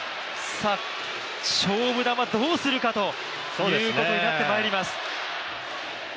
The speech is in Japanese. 勝負球、どうするかということになってまいります。